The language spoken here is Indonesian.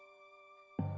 ya udah saya pakai baju dulu